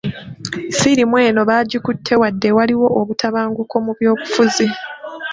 Firimu eno baagikutte wadde waliwo obutabanguko mu byobufuzi.